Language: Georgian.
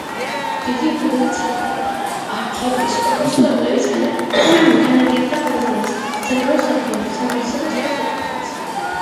დიდი უფლებებით სარგებლობდა არქიეპისკოპოსი, რომელიც განაგებდა ხაზინას, საგარეო საქმეებს, სამართალს და სხვა საკითხებს.